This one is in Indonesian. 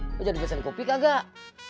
lu jadi pesan kopi kagak